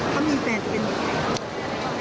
ถ้ามีแฟนจะเป็นยังไง